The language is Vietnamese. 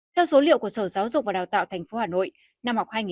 theo số liệu của sở giáo dục và đào tạo tp hà nội